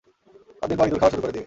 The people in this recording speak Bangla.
কয়দিন পর ইঁদুর খাওয়া শুরু করে দিবে।